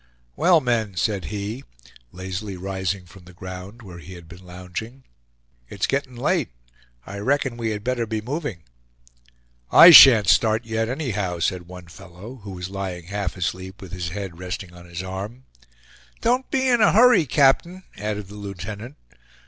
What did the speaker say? "Well, men," said he, lazily rising from the ground where he had been lounging, "it's getting late, I reckon we had better be moving." "I shan't start yet anyhow," said one fellow, who was lying half asleep with his head resting on his arm. "Don't be in a hurry, captain," added the lieutenant.